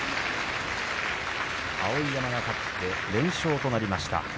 碧山が勝って連勝となりました。